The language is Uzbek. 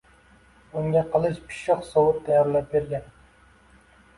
Unga qilich, pishiq sovut tayyorlab bergan